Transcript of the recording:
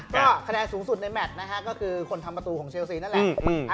ก็คะแนนสูงสุดในแมทนะฮะก็คือคนทำประตูของเชลซีนั่นแหละ